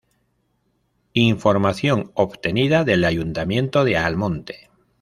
Información obtenida del Ayuntamiento de Almonte.